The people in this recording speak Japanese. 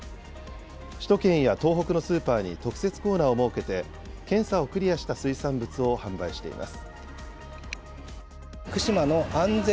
首都圏や東北のスーパーに特設コーナーを設けて、検査をクリアした水産物を販売しています。